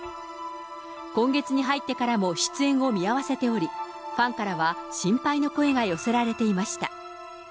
今月に入ってからも出演を見合わせており、ファンからは心配の声が寄せられていました。